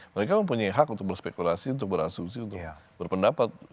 mereka mempunyai hak untuk berspekulasi untuk berasumsi untuk berpendapat